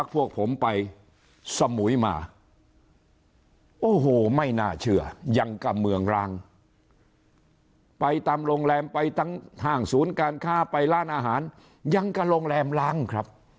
พวกผมไปสมุยมาโอ้โหไม่น่าเชื่อยังกับเมืองร้างไปตามโรงแรมไปทั้งห้างศูนย์การค้าไปร้านอาหารยังกับโรงแรมล้างครับ